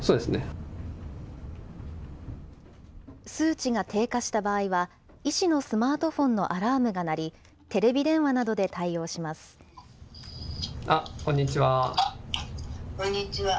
数値が低下した場合は、医師のスマートフォンのアラームが鳴り、テレビ電話などで対応しこんにちは。